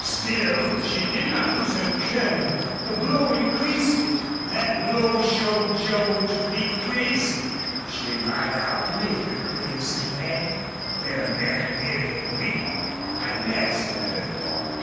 Still she did not lose her cunning; the blow increased it. That blow showed Joel to be crazy. She might outwit a crazy man, where a man merely wicked might master her.